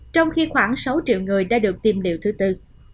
trong khi khoảng sáu triệu người đã được tiêm liệu thứ tư